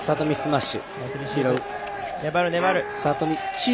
スマッシュ！